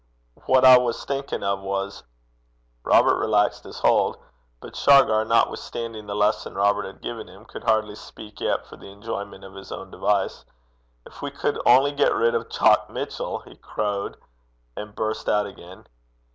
What I was thinkin' o' was ' Robert relaxed his hold. But Shargar, notwithstanding the lesson Robert had given him, could hardly speak yet for the enjoyment of his own device. 'Gin we could only get rid o' Jock Mitchell! ' he crowed; and burst out again.